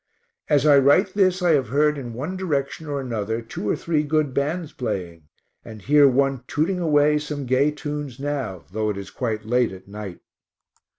As I write this I have heard in one direction or another two or three good bands playing and hear one tooting away some gay tunes now, though it is quite late at night.